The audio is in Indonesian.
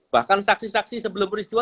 bahkan saksi saksi sebelum peristiwa